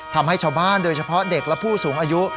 ทำให้ชาวบ้านโดยเฉพาะเด็กและผู้สูงอายุ